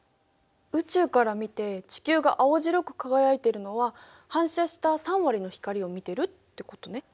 宇宙から見て地球が青白く輝いてるのは反射した３割の光を見てるってことね。